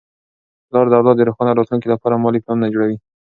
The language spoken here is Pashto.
پلار د اولاد د روښانه راتلونکي لپاره مالي پلانونه جوړوي.